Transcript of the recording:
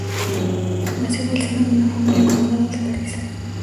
Nació en el seno de una familia acomodada de Paris.